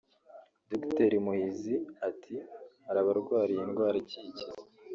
Dogiteri Muhizi ati « hari abarwara iyi ndwara ikikiza